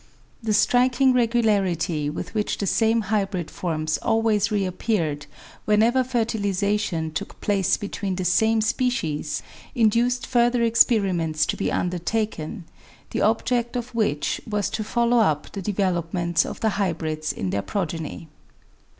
The striking regularity with which the same hybrid forms always reappeared whenever fertilisation took place between the same species induced further experiments to be undertaken, the object of which was to follow up the developments of the hybrids in their progeny.